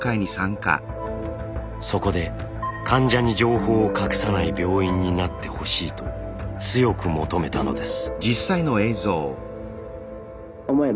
そこで患者に情報を隠さない病院になってほしいと強く求めたのです。